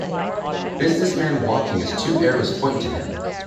Businessman walking as two arrows point to him.